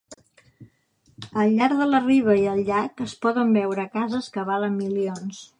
Al llarg de la riba i al llac es poden veure cases que valen milions.